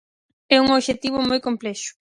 É un obxectivo moi complexo.